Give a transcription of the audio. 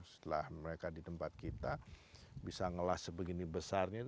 setelah mereka di tempat kita bisa ngelas sebegini besarnya